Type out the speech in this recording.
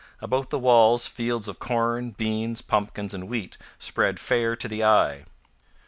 About the walls fields of corn, beans, pumpkins, and wheat spread fair to the eye.